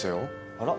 あら？